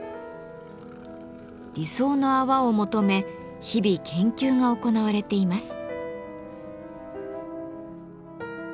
理想の泡を求め日々研究が行われています。